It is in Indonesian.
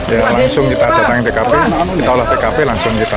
ya langsung kita datangin tkp kita olah tkp langsung kita